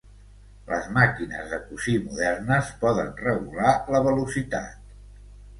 Les màquines de cosir modernes poden regular la velocitat.